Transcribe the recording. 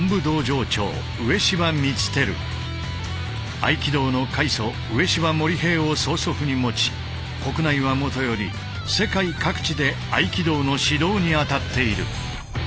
合気道の開祖植芝盛平を曽祖父に持ち国内はもとより世界各地で合気道の指導に当たっている。